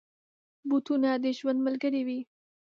بوټونه د ژوند ملګري وي.